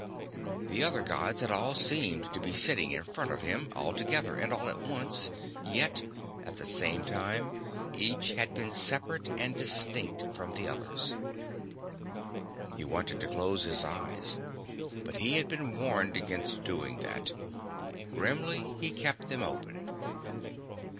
The other Gods had all seemed to be sitting in front of him, all together and all at once yet, at the same time, each had been separate and distinct from the others. He wanted to close his eyes, but he had been warned against doing that. Grimly, he kept them open.